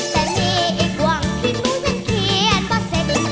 แต่มีอีกหวังที่ทุกคนเขียนว่าเสร็จ